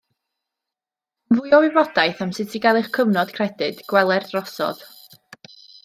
Am fwy o wybodaeth am sut i gael eich cofnod credyd gweler drosodd.